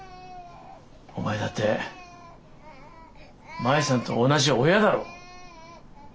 お前だって麻衣さんと同じ親だろ。